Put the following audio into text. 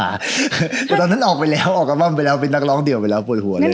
แต่ตอนนั้นออกไปแล้วออกอัลบั้มไปแล้วเป็นนักร้องเดี่ยวไปแล้วปวดหัวเลย